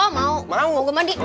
oh mau mau gua mandi